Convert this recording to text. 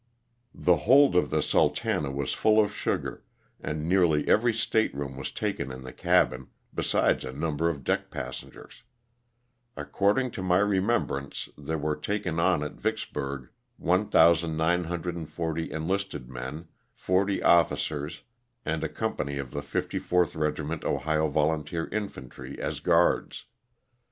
The hold of the ''Sultana" was full of sugar, and nearly every state room was taken in the cabin, besides a number of deck passengers. According to my remembrance there were taken on at Vicksburg 1,940 enlisted men, 40 officers, and a company of the 54th Regiment Ohio Volunteer Infantry, as guards.